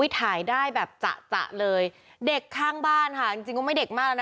ถ่ายได้แบบจะเลยเด็กข้างบ้านค่ะจริงจริงก็ไม่เด็กมากแล้วนะ